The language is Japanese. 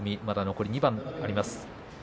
残り２番あります。